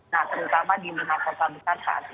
nah terutama di indonesia besar saat ini